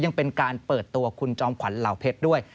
ยังเป็นการเปิดตัวคุณจอมขวัญเหล่าเพชรด้วย